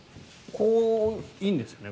いいんですよね。